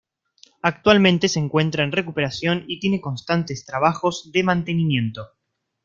Actualmente se encuentra en recuperación y tiene constantes trabajos de mantenimiento.